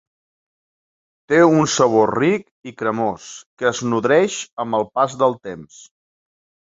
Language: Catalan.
Té un sabor ric i cremós, que es nodreix amb el pas del temps.